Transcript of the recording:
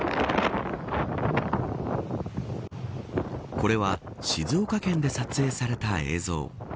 これは静岡県で撮影された映像。